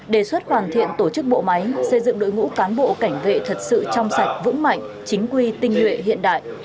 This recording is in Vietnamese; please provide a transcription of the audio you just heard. đề xuất hoàn thiện tổ chức bộ máy xây dựng đội ngũ cán bộ cảnh vệ thật sự trong sạch vững mạnh chính quy tinh nguyện hiện đại